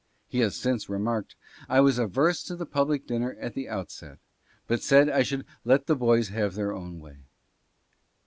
He has since remarked : "I was averse to the public dinner at the outset, but said I should ' let the boys have their own way.'